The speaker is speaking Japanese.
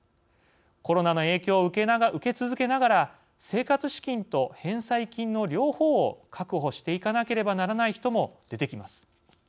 コロナの影響を受け続けながら生活資金と返済金の両方を確保していかなければならない人も出てきます。